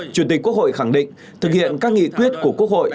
chủ tịch quốc hội khẳng định thực hiện các nghị quyết của quốc hội